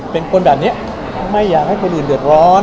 เป็นคนแบบนี้ไม่อยากให้คนอื่นเดือดร้อน